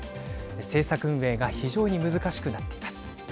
政策運営が非常に難しくなっています。